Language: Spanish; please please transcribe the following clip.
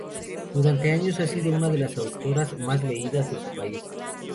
Durante años ha sido una de las autoras más leídas de su país.